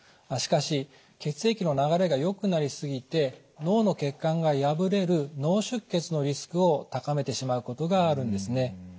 しかし血液の流れがよくなり過ぎて脳の血管が破れる脳出血のリスクを高めてしまうことがあるんですね。